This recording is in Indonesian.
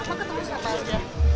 ada siapa aja